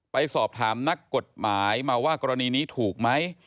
ไปสอบถามนักกฎหมายมาว่ากรณีนี้ถูกไหม